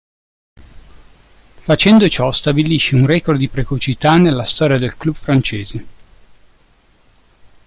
Facendo ciò stabilisce un record di precocità nella storia del club francese.